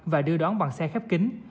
và đưa đón bằng xe khép kính